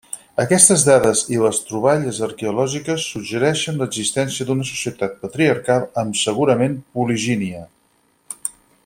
Aquestes dades i les troballes arqueològiques suggereixen l'existència d'una societat patriarcal amb segurament poligínia.